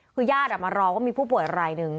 คือญาติมารอว่ามีผู้ป่วยรายหนึ่ง